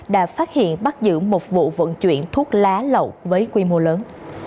đã phát hiện bắt giữ một vụ vận chuyển thuốc lá lậu với quy mô lớn